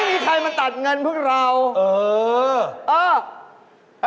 ไม่มีใครมาตัดเงินพวกเราเออ